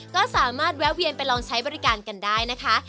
ก็สามารถแวะเวียนไปลองใช้บริการกันได้นะคะ